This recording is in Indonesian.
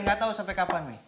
nggak tau sampai kapan mi